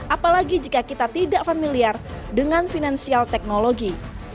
apalagi jika kita tidak familiar dengan finansial teknologi